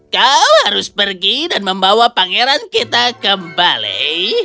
kau harus pergi dan membawa pangeran kita kembali